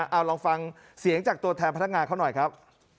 เอาลองฟังเสียงจากตัวแทนพนักงานเขาหน่อยครับ